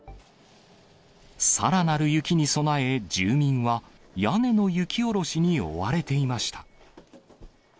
さらなる雪に備え、住民は、屋根の雪下ろしに追われていました。